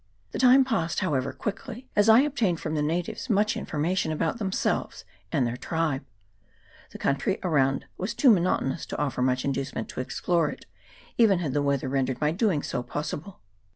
The time passed, how ever, quickly, as I obtained from the natives much information about themselves and their tribe. The country around was too monotonous to offer much inducement to explore it, even had the weather rendered my doing so possible.